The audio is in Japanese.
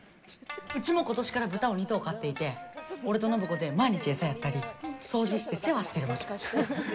うちも今年から豚を２頭飼っていて俺と暢子で毎日餌やったり掃除して世話してるわけ。